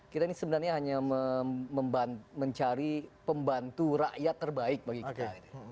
kita ini sebenarnya hanya mencari pembantu rakyat terbaik bagi kita